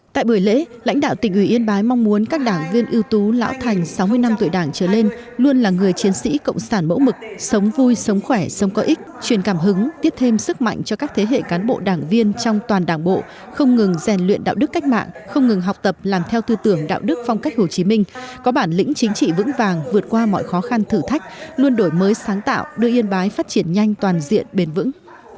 tại buổi lễ lãnh đạo tỉnh ủy yên bái mong muốn các đảng viên ưu tú lão thành sáu mươi năm tuổi đảng trở lên luôn là người chiến sĩ cộng sản mẫu mực sống vui sống khỏe sống có ích truyền cảm hứng tiếp thêm sức mạnh cho các thế hệ cán bộ đảng viên trong toàn đảng bộ không ngừng rèn luyện đạo đức cách mạng không ngừng học tập làm theo tư tưởng đạo đức phong cách hồ chí minh có bản lĩnh chính trị vững vàng vượt qua mọi khó khăn thử thách luôn đổi mới sáng tạo đưa yên bái phát triển nhanh toàn diện bền vững